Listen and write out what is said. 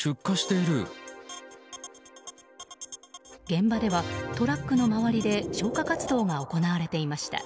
現場ではトラックの周りで消火活動が行われていました。